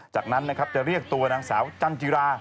จากนั้นจะเรียกตัวนางสาวจันภิรา